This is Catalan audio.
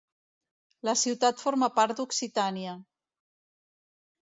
La ciutat forma part d'Occitània.